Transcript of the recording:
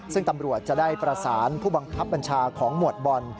ซึ่งตำรวจจะได้ประสานผู้บังคับบัญชาของหมวดบอล